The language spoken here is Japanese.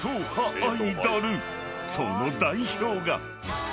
［その代表が］